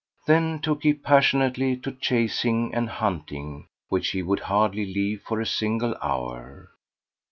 Then took he passionately to chasing and hunting which he would hardly leave for a single hour.